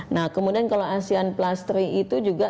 nah kemudian kalau asean plus tiga itu juga